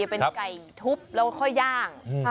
เป็นไก่ทุบแล้วค่อยย่าง